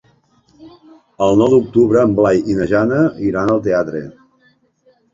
El nou d'octubre en Blai i na Jana iran al teatre.